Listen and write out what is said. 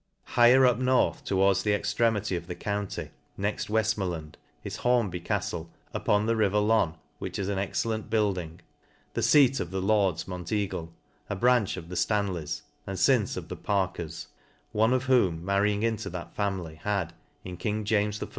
Higher up north, towards the extremity of the county, next Weftmorland^ is Hornby caftle, upon J the river Lon* which is an excellent building, the feat of the lords Monteagle* a branch of the Stan leys, and fince of the Parkers* one of whom mar lying into that family had, in king James I.'